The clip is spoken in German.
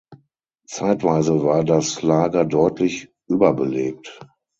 Zeitweise war das Lager deutlich überbelegt.